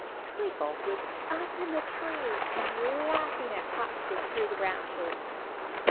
Twinkle was up in a tree and laughing at Topsy through the branches.